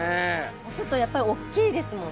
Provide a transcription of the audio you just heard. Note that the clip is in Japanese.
ちょっとやっぱりおっきいですもんね。